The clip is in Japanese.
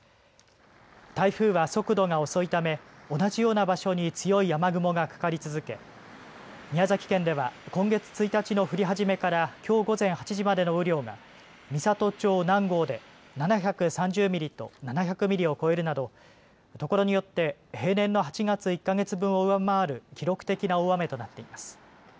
台風は速度が遅いため同じような場所に強い雨雲がかかり続け宮崎県では今月１日の降り始めからきょう午前８時までの雨量が美郷町南郷で７３０ミリと７００ミリを超えるなどところによって平年の８月１か月分を上回る記録的な大雨となっています。